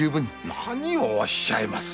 何をおっしゃいます。